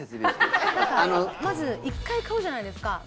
まず１回買うじゃないですか。